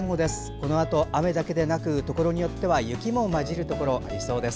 このあと雨だけでなくところによっては雪も混じるところありそうです。